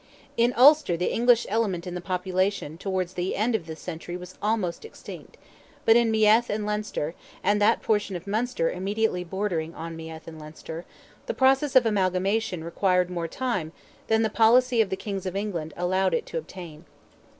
In Ulster the English element in the population towards the end of this century was almost extinct, but in Meath and Leinster, and that portion of Munster immediately bordering on Meath and Leinster, the process of amalgamation required more time than the policy of the Kings of England allowed it to obtain.